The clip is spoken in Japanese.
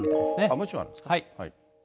もう一枚あるんですか。